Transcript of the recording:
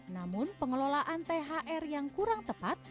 namun pengelolaan thr yang kurang tepat